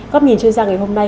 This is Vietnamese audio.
góp nhìn trên da ngày hôm nay